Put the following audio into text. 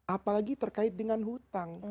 apalagi terkait dengan hutang